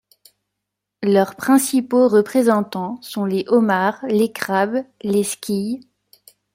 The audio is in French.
Leurs principaux représentants sont les homards, les crabes, les squilles.